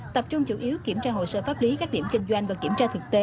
tập trung chủ yếu kiểm tra hồ sơ pháp lý các điểm kinh doanh và kiểm tra thực tế